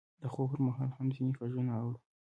د خوب پر مهال هم ځینې غږونه اورو.